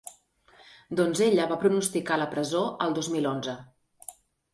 Doncs ella va pronosticar la presó el dos mil onze.